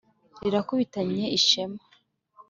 Rirakubitanye ishema,